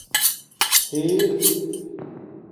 خِیر